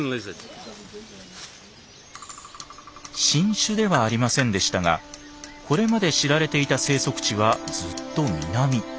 新種ではありませんでしたがこれまで知られていた生息地はずっと南。